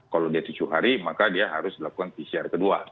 kalau di tujuh hari maka dia harus melakukan pcr ke dua